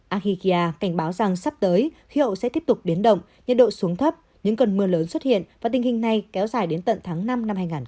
aghikia cảnh báo rằng sắp tới khí hậu sẽ tiếp tục biến động nhiệt độ xuống thấp những cơn mưa lớn xuất hiện và tình hình này kéo dài đến tận tháng năm năm hai nghìn hai mươi